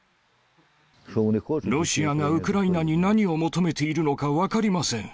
ロシアがウクライナに何を求めているのか分かりません。